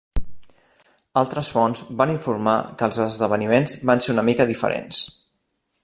Altres fonts van informar que els esdeveniments van ser una mica diferents.